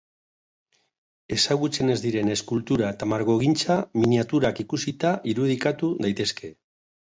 Ezagutzen ez diren eskultura eta margogintza, miniaturak ikusita irudikatu daitezke.